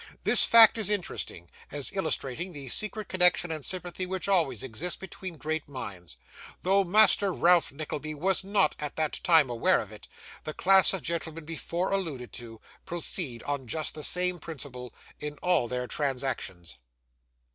This fact is interesting, as illustrating the secret connection and sympathy which always exist between great minds. Though Master Ralph Nickleby was not at that time aware of it, the class of gentlemen before alluded to, proceed on just the same principle in all their transactions.